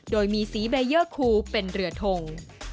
โดยมีสีเบเยอร์คูเป็นเรือทง